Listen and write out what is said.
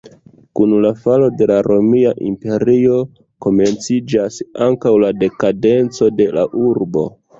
Kun la falo de la Romia Imperio, komenciĝas ankaŭ la dekadenco de la urbo.